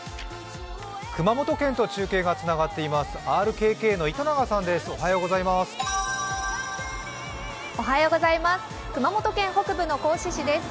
熊本県と中継がつながっています、ＲＫＫの糸永さんです。